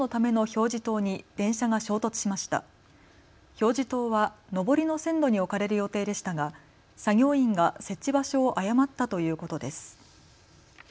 表示灯は上りの線路に置かれる予定でしたが作業員が設置場所を誤ったということです。